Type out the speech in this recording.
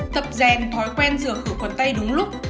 thập rèn thói quen rửa khử khuẩn tay đúng lúc